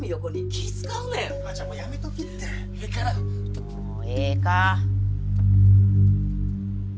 もうええか？